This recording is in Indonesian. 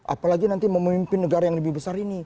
apalagi nanti memimpin negara yang lebih besar ini